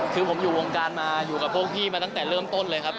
คือผมอยู่วงการมาอยู่กับพวกพี่มาตั้งแต่เริ่มต้นเลยครับ